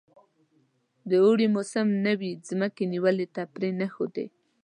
د اوړي موسم نوي مځکې نیولو ته پرې نه ښود.